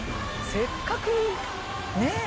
せっかくねえ。